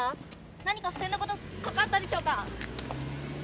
何か不正なこと、関わったでしょうか？